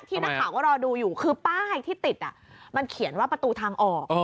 นักข่าวก็รอดูอยู่คือป้ายที่ติดมันเขียนว่าประตูทางออก